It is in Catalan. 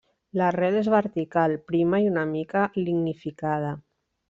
La rel és vertical, prima i una mica lignificada.